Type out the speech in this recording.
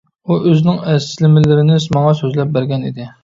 ئۇ ئۆزىنىڭ ئەسلىمىلىرىنى ماڭا سۆزلەپ بەرگەن ئىدى.